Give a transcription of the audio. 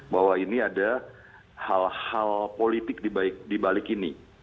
bahwa ini ada hal hal politik di balik ini